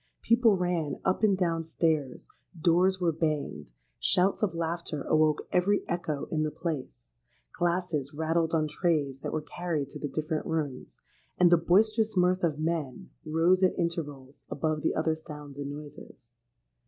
People ran up and down stairs; doors were banged; shouts of laughter awoke every echo in the place; glasses rattled on trays that were carried to the different rooms; and the boisterous mirth of men rose at intervals above the other sounds and noises.